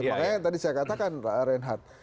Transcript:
makanya tadi saya katakan reinhardt